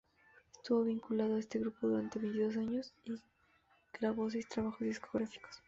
Estuvo vinculado a este grupo durante veintidós años y grabó seis trabajos discográficos.